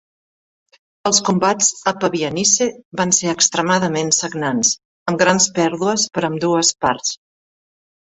Els combats a Pabianice van ser extremadament sagnants, amb grans pèrdues per ambdues parts.